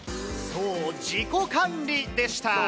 そう、自己管理でした。